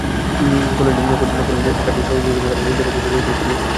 কাজের সহযোগিতার জন্য তাঁরা নিজেদের অফিসের লোকদেরই পোলিং অফিসার পদে চেয়েছেন।